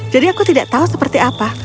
jadi aku tidak tahu seperti apa